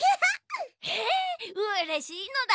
えうれしいのだ。